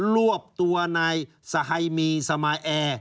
ลวบตัวในสะใหมีสมายแอร์